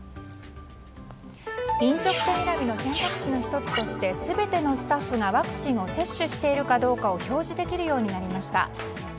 飲食店選びの選択肢の１つとして全てのスタッフがワクチンを接種しているかどうか表示できるようになりました。